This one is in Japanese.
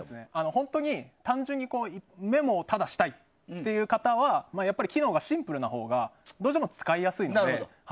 本当に単純にメモをただ、したいという方は機能がシンプルなほうが使いやすいので。